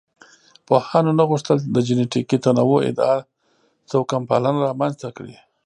پوهانو نه غوښتل د جینټیکي تنوع ادعا توکمپالنه رامنځ ته کړي.